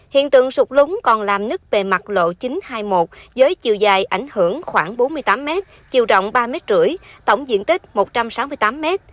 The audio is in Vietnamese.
hiện tượng sụt lún còn làm nứt bề mặt lộ chín trăm hai mươi một với chiều dài ảnh hưởng khoảng bốn mươi tám m chiều rộng ba mưỡi tổng diện tích một trăm sáu mươi tám m